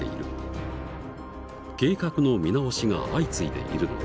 計画の見直しが相次いでいるのだ。